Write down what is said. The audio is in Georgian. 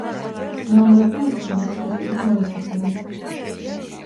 მეომრებმა ირწმუნეს ქრისტე და მოინათლნენ.